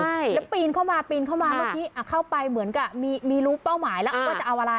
ใช่แล้วปีนเข้ามาปีนเข้ามาเมื่อกี้เข้าไปเหมือนกับมีรู้เป้าหมายแล้วว่าจะเอาอะไร